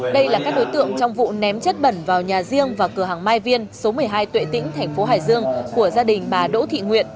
đây là các đối tượng trong vụ ném chất bẩn vào nhà riêng và cửa hàng mai viên số một mươi hai tuệ tĩnh thành phố hải dương của gia đình bà đỗ thị nguyện